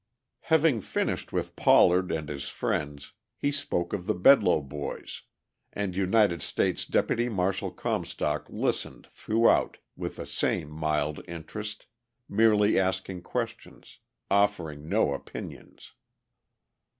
Having finished with Pollard and his friends he spoke of the Bedloe boys. And United States Deputy Marshal Comstock listened throughout with the same mild interest, merely asking questions, offering no opinions.